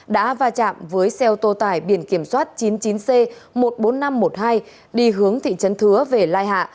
đã va chạm với xe ô tô tải biển kiểm soát chín mươi chín c một mươi bốn nghìn năm trăm một mươi hai đi hướng thị trấn thứa về lai hạ